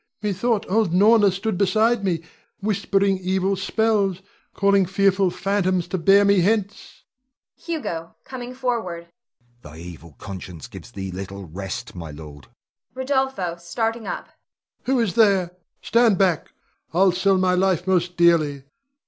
Methought old Norna stood beside me, whispering evil spells, calling fearful phantoms to bear me hence. Hugo [coming forward]. Thy evil conscience gives thee little rest, my lord. Rod. [starting up]. Who is there? Stand back! I'll sell my life most dearly.